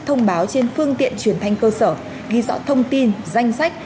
thông báo trên phương tiện truyền thanh cơ sở ghi rõ thông tin danh sách